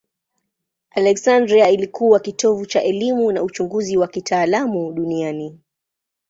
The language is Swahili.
Aleksandria ilikuwa kitovu cha elimu na uchunguzi wa kitaalamu duniani.